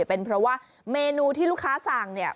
เป็นเพราะว่าเมนูที่ลูกค้าสั่งเนี่ย